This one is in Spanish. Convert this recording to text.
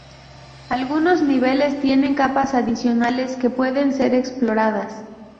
Algunos niveles tienen capas adicionales que pueden ser exploradas.